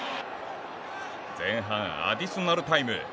前半アディショナルタイム。